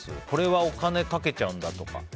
これはお金かけちゃうんだとか。